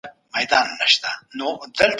دوی وویل چې موږ باید د پدیدو علت وپېژنو.